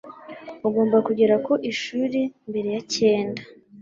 Ugomba kugera ku ishuri mbere ya cyenda.